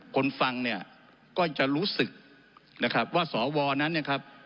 คนฟังเนี่ยก็จะรู้สึกนะครับว่าสวนั้นเนี่ยครับ